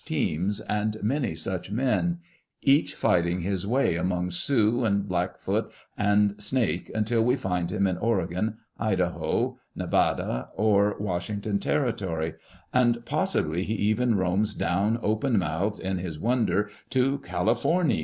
[Conducted by teams and many such men, each fighting his way among Sioux, and Blackfoot, and Snake, until we find him in Oregon, Idaho, Ne vada, or Washington territory, and pos sibly he even roams down, open mouthed in his wonder, to " Califoruy."